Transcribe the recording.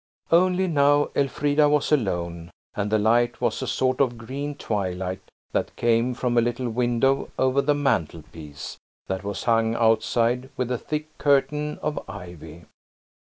Only now Elfrida was alone, and the light was a sort of green twilight that came from a little window over the mantelpiece, that was hung outside with a thick curtain of ivy.